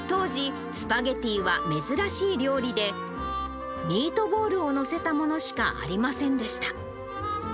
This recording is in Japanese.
当時、スパゲティは珍しい料理で、ミートボールを載せたものしかありませんでした。